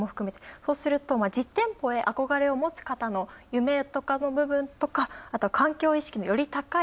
そうすると、実店舗へ憧れを持つ方の夢とかの部分とか、あとは環境意識のより高い